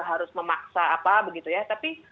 harus memaksa apa begitu ya tapi